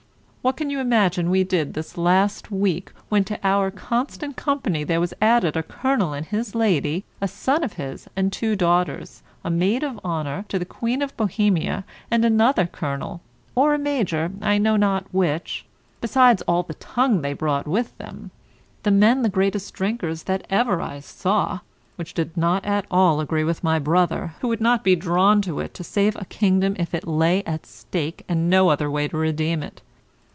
What can you imagine we did this last week, when to our constant company there was added a colonel and his lady, a son of his and two daughters, a maid of honour to the Queen of Bohemia, and another colonel or a major, I know not which, besides all the tongue they brought with them; the men the greatest drinkers that ever I saw, which did not at all agree with my brother, who would not be drawn to it to save a kingdom if it lay at stake and no other way to redeem it?